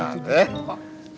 nah gitu deh pak